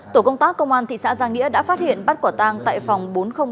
tổ công tác công an thị xã giang nghĩa đã phát hiện bắt quả tang tại phòng bốn trăm linh một